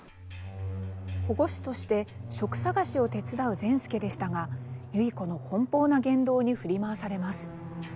保護司として職探しを手伝う善輔でしたが結子の奔放な言動に振り回されます。